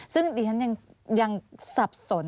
ซึ่งดิฉันยังสับสน